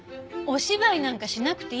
お芝居なんかしなくていいから。